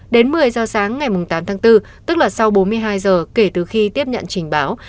đến một mươi giờ sáng ngày tám tháng bốn tức là sau bốn mươi hai giờ kể từ khi tiếp nhận trình báo